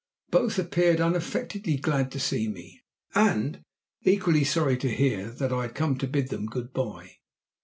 Both appeared unaffectedly glad to see me, and equally sorry to hear that I had come to bid them good bye.